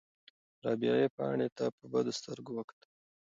رابعې پاڼې ته په بدو سترګو وکتل.